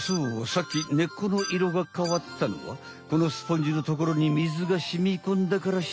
さっき根っこのいろがかわったのはこのスポンジのところに水がしみこんだからして。